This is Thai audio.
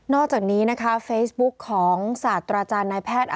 อกจากนี้นะคะเฟซบุ๊กของศาสตราจารย์นายแพทย์